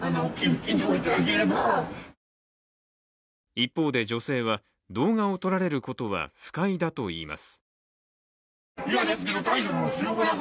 一方で女性は、動画を撮られることは不快だといいます。